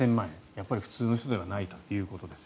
やっぱり普通の人ではないということです。